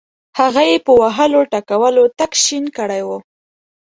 هغه یې په وهلو ټکولو تک شین کړی وو.